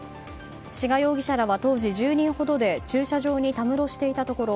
志賀容疑者らは当時１０人ほどで駐車場にたむろしていたところ